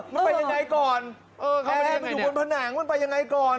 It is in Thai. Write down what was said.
มันไปยังไงก่อนทำไมมันอยู่บนผนังมันไปยังไงก่อน